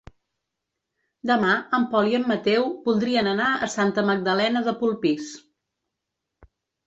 Demà en Pol i en Mateu voldrien anar a Santa Magdalena de Polpís.